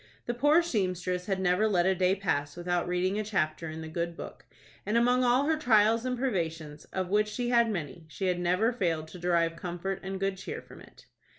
The poor seamstress never let a day pass without reading a chapter in the good book, and, among all her trials and privations, of which she had many, she had never failed to derive comfort and good cheer from it.